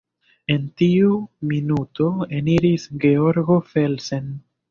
En tiu minuto eniris Georgo Felsen.